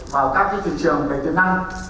vào các thị trường về tiềm năng